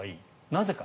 なぜか。